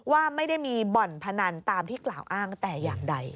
ว่าไม่ได้มีบ่อนพนันตามที่กล่าวอ้างแต่อย่างใด